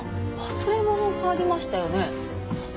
忘れ物がありましたよね。